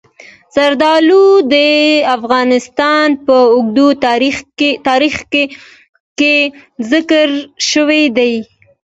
زردالو د افغانستان په اوږده تاریخ کې ذکر شوي دي.